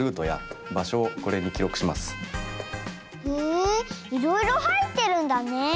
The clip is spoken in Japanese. へえいろいろはいってるんだね。